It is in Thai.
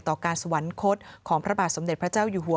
ต่อการสวรรคตของพระบาทสมเด็จพระเจ้าอยู่หัว